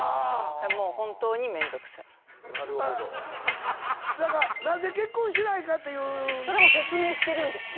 もう本当に面倒くさいなるほどなぜ結婚しないかというそれも説明してるんですよ